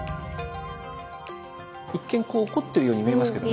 一見怒ってるように見えますけどね。